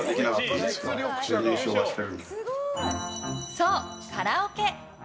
そう、カラオケ！